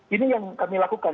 ini yang kami lakukan